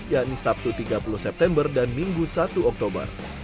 yakni sabtu tiga puluh september dan minggu satu oktober